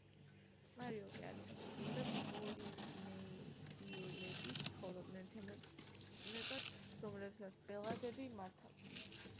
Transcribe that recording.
წყნარი ოკეანის კუნძულებზე პოლინეზიელები ცხოვრობდნენ თემებად, რომლებსაც ბელადები მართავდნენ.